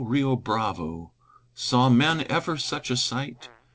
Rio Bravo! Saw men ever such a sight?